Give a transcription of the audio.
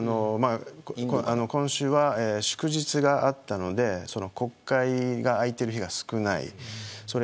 今週は祝日があったので国会が開いている日が少ない。